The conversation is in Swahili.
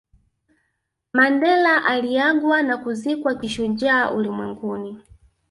Mandela aliagwa na kuzikwa kishujaa ulimwenguni